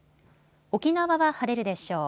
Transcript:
沖縄は晴れるでしょう。